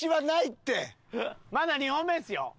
まだ２本目ですよ？